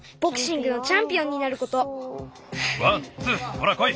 ほらこい。